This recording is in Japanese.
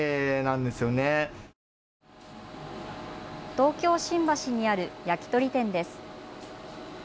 東京新橋にある焼き鳥店です。